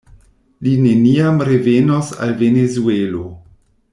Li neniam revenos al Venezuelo.